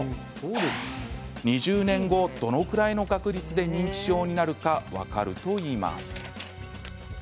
２０年後、どのくらいの確率で認知症になるか分かるといいます。